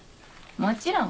もちろん。